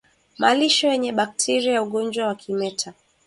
Malisho yenye bakteria wa ugonjwa wa kimeta